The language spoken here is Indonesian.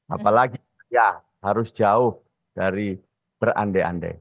apalagi gus yahya harus jauh dari berande ande